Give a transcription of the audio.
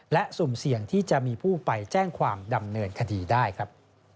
และสุ่มเสี่ยงที่จะมีผู้ไปแจ้งความดำเนินคดีได้ครับ